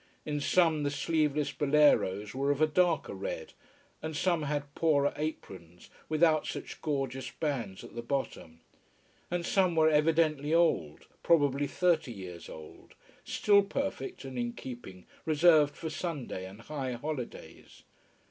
In some the sleeveless boleros were of a darker red, and some had poorer aprons, without such gorgeous bands at the bottom. And some were evidently old: probably thirty years old: still perfect and in keeping, reserved for Sunday and high holidays.